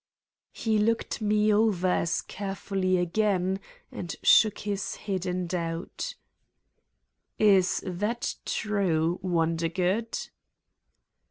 He looked me over as carefully again and shook his head in doubt: "Is that true, Wondergood?"